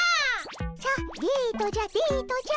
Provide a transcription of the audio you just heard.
さあデートじゃデートじゃ。